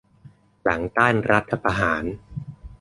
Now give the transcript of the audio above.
หลังต้านรัฐประหาร